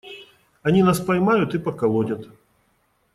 Они нас поймают и поколотят.